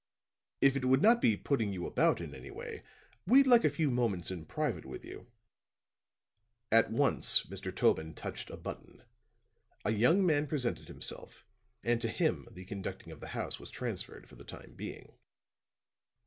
"If it would not be putting you about in any way, we'd like a few moments in private with you." At once Mr. Tobin touched a button. A young man presented himself, and to him the conducting of the house was transferred for the time being.